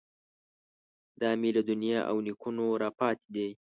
دا مې له نیا او نیکونو راپاتې دی.